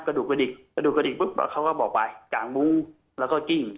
กระดูกกระดูกปุ๊บเขาก็บอกไปกางมุ้งแล้วก็กิ้ง